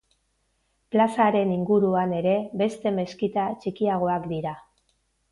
Plazaren inguruan ere beste meskita txikiagoak dira.